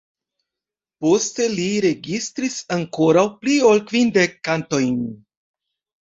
Poste li registris ankoraŭ pli ol kvindek kantojn.